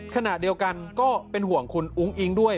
ขณะเดียวกันก็เป็นห่วงคุณอุ้งอิ๊งด้วย